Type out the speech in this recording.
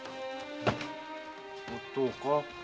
おっ父か。